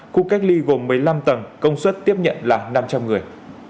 khu cách ly gồm một mươi năm tầng công suất tiếp nhận là năm trăm linh người